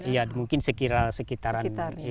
ya mungkin sekitar sekitaran